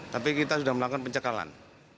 tapi kita sudah melakukan pencekalan